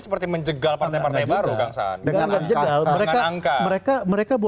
seperti menjegal partai partai baru